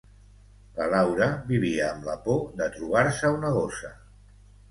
La Laura vivia amb la por de trobar-se una gossa.